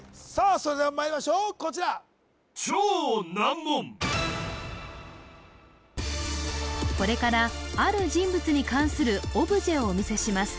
それではまいりましょうこちらこれからある人物に関するオブジェをお見せします